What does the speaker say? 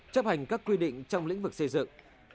chấp hành các quy định trong lĩnh vực xây dựng